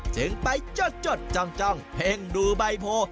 จึงไปจดจ้องเพ่งดูใบโพ